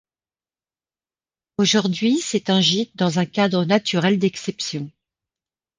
Aujourd'hui c'est un gîte dans un cadre naturel d'exception.